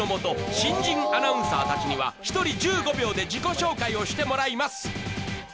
新人アナウンサー達には１人１５秒で自己紹介をしてもらいます